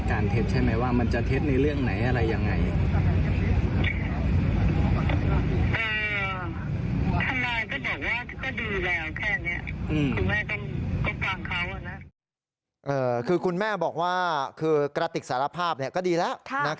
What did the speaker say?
คือคุณแม่บอกว่าคือกระติกสารภาพก็ดีแล้ว